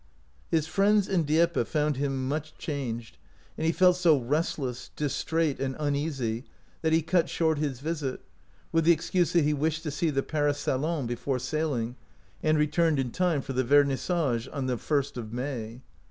His friends in Dieppe found him much 183 OUT OF BOHEMIA changed, and he felt so restless, distrait, and uneasy that he cut short his visit, with the excuse that he wished to see the Paris salon before sailing, and returned in time for the vernissage on the ist of May.